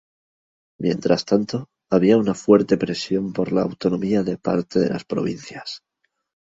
Mientras tanto, había una fuerte presión por la autonomía de parte de las provincias.